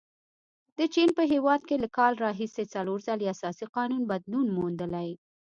د چین په هیواد کې له کال راهیسې څلور ځلې اساسي قانون بدلون موندلی.